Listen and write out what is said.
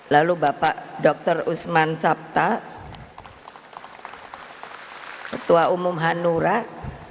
lalu bapak dr usman sabta ketua umum hanura